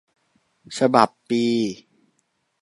ฉบับปี